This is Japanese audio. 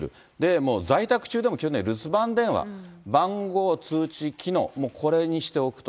もう在宅中でも留守番電話、番号通知機能、これにしておくと。